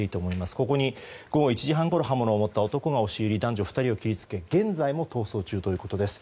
ここに午後１時半ごろ刃物を持った男が押し入り男女２人を切りつけ現在も逃走中ということです。